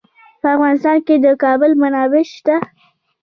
په افغانستان کې د کابل منابع شته.